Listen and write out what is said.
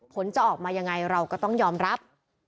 ผลจะออกมายังไงเราก็ต้องยอมรับ